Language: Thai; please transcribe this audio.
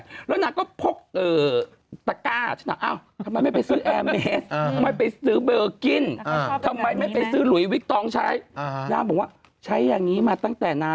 วันหน้าเมื่อกี้มีคุณผู้ที่ชมถามว่าเสื้อพี่มดดำ